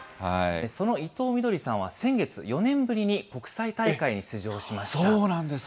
その伊藤みどりさんは先月、４年ぶりに国際大会に出場しましそうなんですか。